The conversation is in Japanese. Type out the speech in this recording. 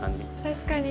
確かに。